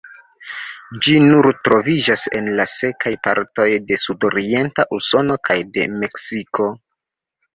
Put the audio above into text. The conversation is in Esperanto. Ĝi nur troviĝas en la sekaj partoj de sudorienta Usono kaj de Meksiko.